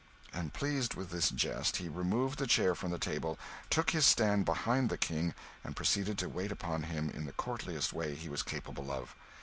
And pleased with this jest, he removed the chair from the table, took his stand behind the King, and proceeded to wait upon him in the courtliest way he was capable of.